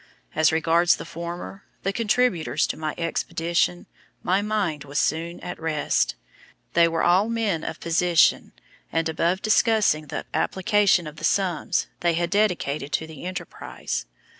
As regards the former the contributors to my expedition my mind was soon at rest. They were all men of position, and above discussing the application of the sums they had dedicated to the enterprise.